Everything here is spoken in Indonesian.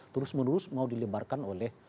terus menerus mau dilebarkan oleh